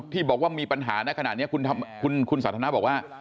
ที่บอกว่ามีปัญหาในขณะนี้คุณสันทนาบอกว่า